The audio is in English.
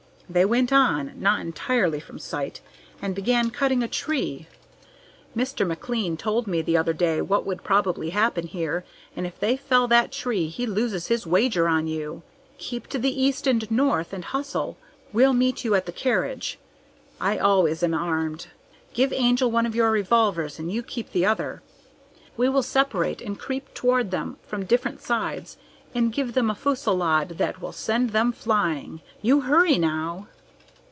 They went on not entirely from sight and began cutting a tree. Mr. McLean told me the other day what would probably happen here, and if they fell that tree he loses his wager on you. Keep to the east and north and hustle. We'll meet you at the carriage. I always am armed. Give Angel one of your revolvers, and you keep the other. We will separate and creep toward them from different sides and give them a fusillade that will send them flying. You hurry, now!"